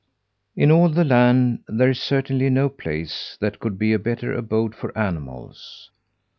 In all the land there is certainly no place that could be a better abode for animals.